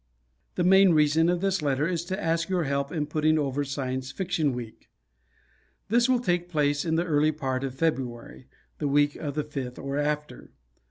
The main reason of this letter is to ask your help in putting over Science Fiction Week. This will take place in the early part of February, the week of the 5th or after.